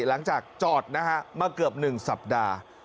หลังจากจอดนะฮะมาเกือบ๑สัปดาห์